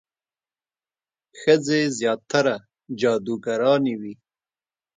ښځې زیاتره جادوګرانې وي.